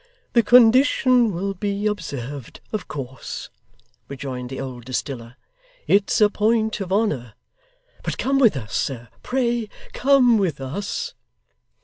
'The condition will be observed, of course,' rejoined the old distiller. 'It's a point of honour. But come with us, sir; pray come with us.